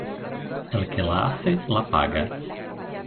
El que la hace la paga.